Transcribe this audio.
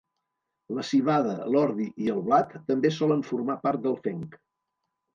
La civada, l'ordi i el blat també solen formar part del fenc.